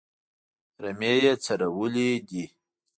رمې یې څرولې دي.